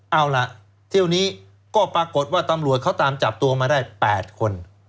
เอาล่ะเที่ยวนี้ก็ปรากฏว่าตำรวจเขาตามจับตัวมาได้๘คน